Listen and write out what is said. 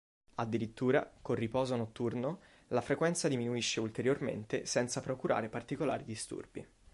Addirittura, col riposo notturno, la frequenza diminuisce ulteriormente senza procurare particolari disturbi.